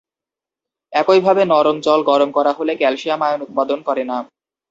একইভাবে, নরম জল গরম করা হলে ক্যালসিয়াম আয়ন উৎপাদন করে না।